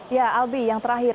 ya albi yang terakhir